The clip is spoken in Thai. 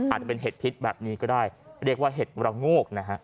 อาจจะเป็นเห็ดพิษแบบนี้ก็ได้เรียกว่าเห็ดระโงกนะฮะ